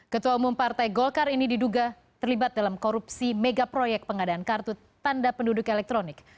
ketua umum partai golkar ini diduga terlibat dalam korupsi megaproyek pengadaan kartu tanda penduduk elektronik